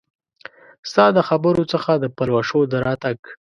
ستا د خبرو څخه د پلوشو د راتګ